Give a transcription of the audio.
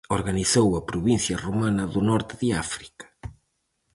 Organizou a provincia romana do Norte de África.